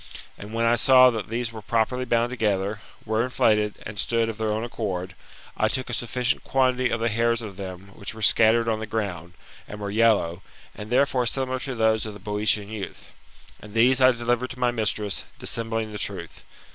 And when I saw that these were properly bound together, were inflated, and stood of their own accord, I took a sufficient quantity of the hairs of them which were scattered on the ground, and were yellow, and therefore similar to those of the Boeotian youth : and these I delivered to my mistress, dissembling the truth.